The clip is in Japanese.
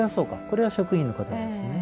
これは職員の方なんですね。